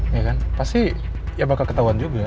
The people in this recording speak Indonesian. ya kan pasti ya bakal ketahuan juga